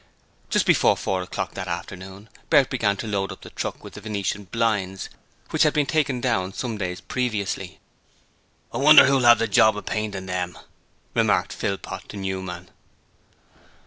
Just before four o'clock that afternoon Bert began to load up the truck with the venetian blinds, which had been taken down some days previously. 'I wonder who'll have the job of paintin' 'em?' remarked Philpot to Newman.